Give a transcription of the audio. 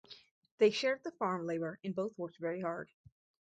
They shared the farm labour and both worked very hard.